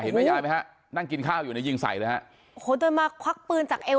แม่ยายไหมฮะนั่งกินข้าวอยู่เนี่ยยิงใส่เลยฮะโอ้โหจนมาควักปืนจากเอว